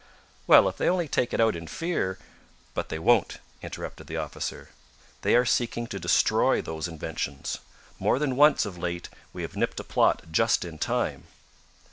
"Well, if they only take it out in fear " "But they won't!" interrupted the officer "They are seeking to destroy those inventions. More than once, of late, we have nipped a plot just in time."